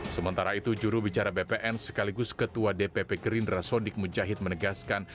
sementara itu jurubicara bpn sekaligus ketua dpp gerindra sodik mujahid menegaskan